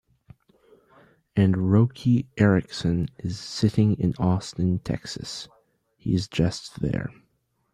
And Roky Erickson is sitting in Austin, Texas; he's just there.